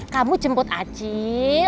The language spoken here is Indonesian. kamu jemput acil